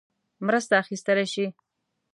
مرسته اخیستلای شي.